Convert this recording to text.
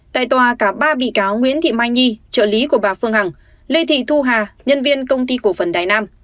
tại tòa cả ba bị cáo nguyễn thị mai nhi trợ lý của bà phương hằng lê thị thu hà nhân viên công ty cổ phần đài nam